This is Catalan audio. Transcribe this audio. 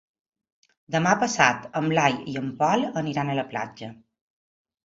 Demà passat en Blai i en Pol aniran a la platja.